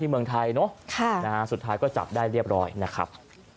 เมืองไทยเนอะสุดท้ายก็จับได้เรียบร้อยนะครับ